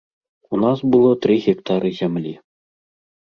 У нас было тры гектары зямлі.